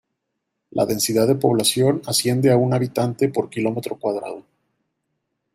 La densidad de población asciende a un habitante por kilómetro cuadrado.